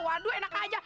waduh enak aja